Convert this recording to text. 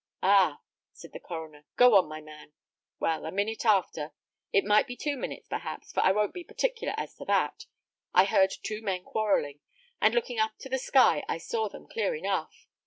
"Ah!" said the coroner. "Go on, my man." "Well, a minute after it might be two minutes, perhaps, for I won't be particular as to that I heard two men quarrelling, and looking up to the sky, I saw them clear enough."